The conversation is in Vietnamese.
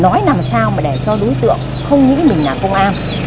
nói làm sao mà để cho đối tượng không nghĩ mình là công an